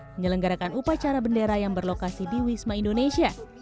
menyelenggarakan upacara bendera yang berlokasi di wisma indonesia